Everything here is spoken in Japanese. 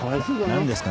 何ですか？